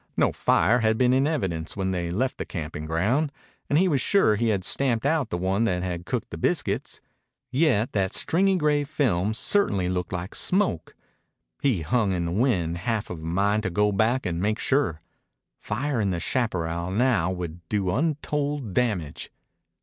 No fire had been in evidence when they left the camping ground, and he was sure he had stamped out the one that had cooked the biscuits. Yet that stringy gray film certainly looked like smoke. He hung in the wind, half of a mind to go back and make sure. Fire in the chaparral now might do untold damage.